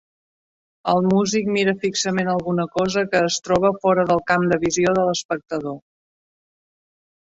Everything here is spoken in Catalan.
El músic mira fixament alguna cosa que es troba fora del camp de visió de l'espectador.